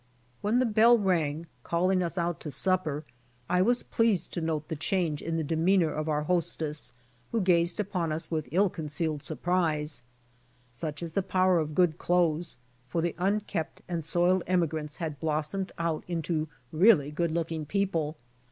When the bell rang calling us out to supper I was pleased to note the change in the demeanor of our hostess, who gazed upon us with ill concealed surprise. Such is the power of good clothes, for the unkempt and soiled emigrants had blossomed out into really good looking people.